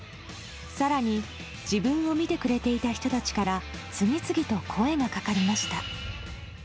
更に自分を見てくれていた人たちから次々と声がかかりました。